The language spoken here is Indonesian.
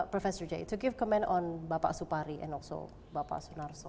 profesor j untuk memberikan komentar kepada bapak supari dan juga bapak sunarso